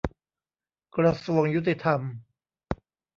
กระทรวงยุติธรรม